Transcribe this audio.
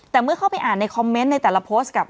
แต่เมื่อเข้าไปอ่านในคอมเมนต์ในแต่ละโพสต์กับ